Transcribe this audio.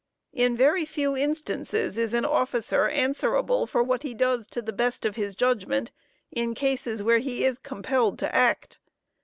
In very few instances is an officer answerable for what he does to the best of his judgment, in cases where he is compelled to act.